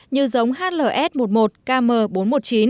như giống hls một mươi một km bốn trăm một mươi chín